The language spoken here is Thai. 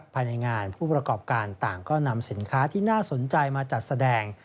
ภายในงานผู้ประกอบการต่างก็นำสินค้าที่น่าสนใจมาจัดแสดง